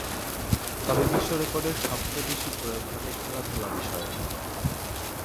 তবে, বিশ্বরেকর্ডের সবচেয়ে বেশি প্রয়োগ ঘটে খেলাধূলা বিষয়ে।